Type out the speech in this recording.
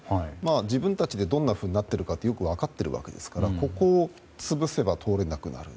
自分たちでどんなふうになっているかよく分かっているわけですからここを潰せば通れなくなる。